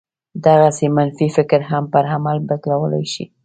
دغسې منفي فکر هم پر عمل بدلولای شي